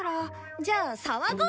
じゃあ騒ごう！